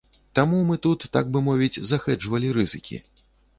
Таму мы тут, так бы мовіць, захэджавалі рызыкі.